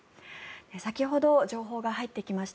先ほど情報が入ってきました。